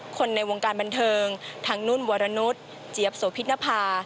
คนในวงการบันเทิงทั้งนุ่นวรนุษย์เจี๊ยบโสพินภา